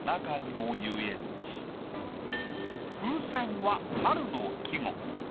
「風船」は春の季語。